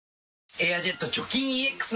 「エアジェット除菌ＥＸ」